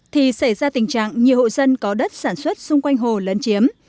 thì xảy ra tình trạng nhiều hộ dân có đất sản xuất xung quanh hồ lấn chiếm